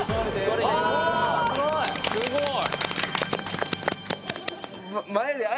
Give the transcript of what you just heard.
すごい！